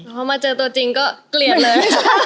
พอมาเจอตัวจริงก็เกลียดเลย